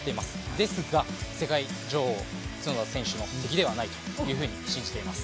ですが、世界女王・角田選手の敵ではないと信じています。